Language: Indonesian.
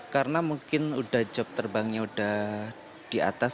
karena mungkin udah job terbangnya udah di atas